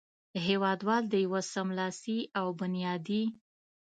هېوادوال د یوه سملاسي او بنیادي